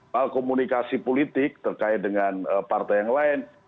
hal komunikasi politik terkait dengan partai yang lain